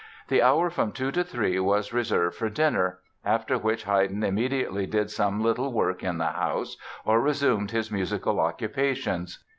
The hour from 2 to 3 was reserved for dinner, after which Haydn immediately did some little work in the house or resumed his musical occupations.